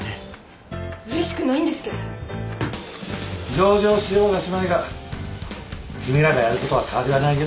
上場しようがしまいが君らがやることは変わりはないよ。